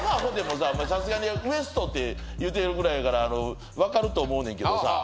さすがにＷＥＳＴって言うてるぐらいやから分かると思うねんけどさ